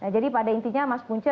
jadi pada intinya mas punca